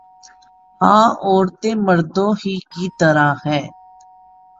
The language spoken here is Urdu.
ہاں عورتیں مردوں ہی کی طرح ہیں